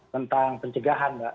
tentang pencegahan mbak